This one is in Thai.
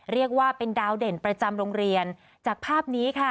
เรียกว่าเป็นดาวเด่นประจำโรงเรียนจากภาพนี้ค่ะ